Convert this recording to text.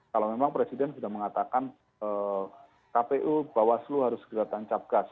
kalau memang presiden sudah mengatakan kpu bawaslu harus segera tancap gas